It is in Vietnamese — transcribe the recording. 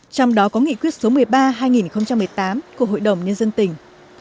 trong đó có nghị quyết số một mươi ba hai nghìn một mươi tám của hội đồng nhân dân tỉnh